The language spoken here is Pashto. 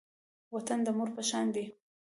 وطن د مور په شان دی